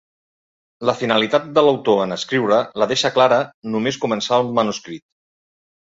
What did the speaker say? La finalitat de l'autor en escriure la deixa clara només començar el manuscrit.